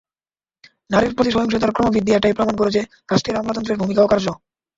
নারীর প্রতি সহিংসতার ক্রমবৃদ্ধি এটাই প্রমাণ করে যে, রাষ্ট্রের আমলাতন্ত্রের ভূমিকা অকার্যকর।